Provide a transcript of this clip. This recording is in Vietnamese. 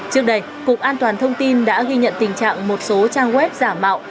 trước đây cục an toàn thông tin đã ghi nhận tình trạng một số trang web giả mạo